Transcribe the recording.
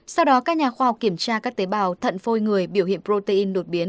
sau đó các nhà khoa kiểm tra các tế bào thận phôi người biểu hiện protein đột biến